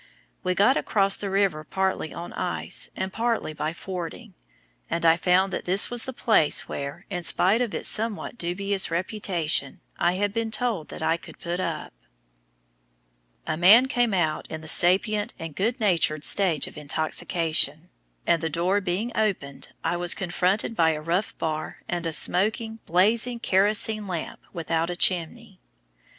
We got across the river partly on ice and partly by fording, and I found that this was the place where, in spite of its somewhat dubious reputation, I had been told that I could put up. A man came out in the sapient and good natured stage of intoxication, and, the door being opened, I was confronted by a rough bar and a smoking, blazing kerosene lamp without a chimney.